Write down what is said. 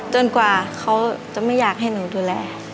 กว่าเขาจะไม่อยากให้หนูดูแล